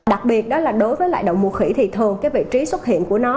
đặc biệt đó là đối với lại động mũ khỉ thì thường cái vị trí xuất hiện của nó